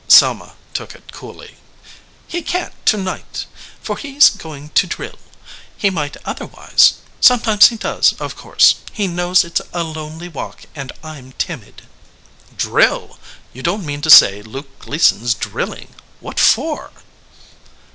Selma took it coolly. "He can t to night, for he s going to drill. He might otherwise. Some times he does, of course. He knows it s a lonely walk and I m timid." "Drill ! You don t mean to say Luke Gleason s drilling? What for?"